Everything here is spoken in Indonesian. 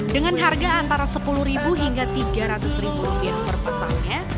dengan harga antara sepuluh hingga tiga ratus rupiah per pasangnya